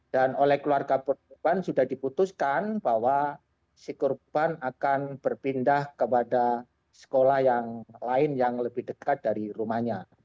dan oleh keluarga korban sudah diputuskan bahwa si korban akan berpindah kepada sekolah yang lain yang lebih dekat dari rumahnya